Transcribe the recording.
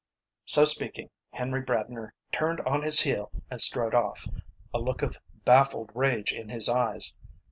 So speaking, Henry Bradner turned on his heel and strode off, a look of baffled rage in his eyes.